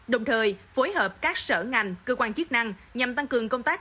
đồng thời phối hợp các sở ngành cơ quan chức năng nhằm tăng cường công tác